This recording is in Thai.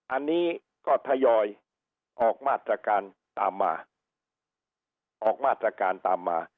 อันนี้ก็ทยอยออกมาตรการตามมา